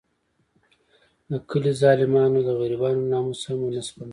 د کلي ظالمانو د غریبانو ناموس هم ونه سپماوه.